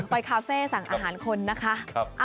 คาเฟ่สั่งอาหารคนนะคะ